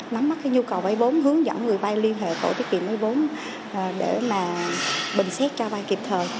nắm bắt cái nhu cầu vây vốn hướng dẫn người vây liên hệ tổ chức kiểm vây vốn để mà bình xét cho vây kịp thời